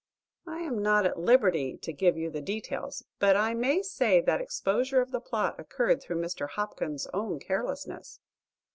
"I am not at liberty to give you the details. But I may say the exposure of the plot occurred through Mr. Hopkins's own carelessness.